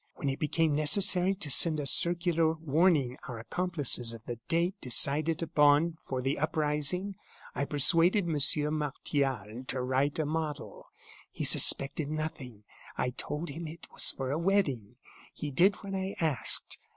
When it became necessary to send a circular warning our accomplices of the date decided upon for the uprising, I persuaded Monsieur Martial to write a model. He suspected nothing. I told him it was for a wedding; he did what I asked.